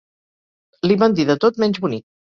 Li van dir de tot menys bonic.